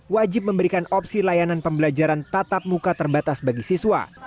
wajib memberikan opsi layanan pembelajaran tatap muka terbatas bagi siswa